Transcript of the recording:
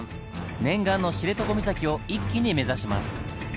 念願の知床岬を一気に目指します。